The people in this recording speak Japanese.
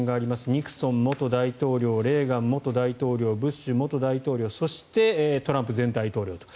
ニクソン元大統領レーガン元大統領ブッシュ元大統領そして、トランプ前大統領と。